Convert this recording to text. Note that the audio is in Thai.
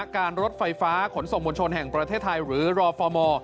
การรถไฟฟ้าขนส่งมวลชนแห่งประเทศไทยหรือรอฟอร์ม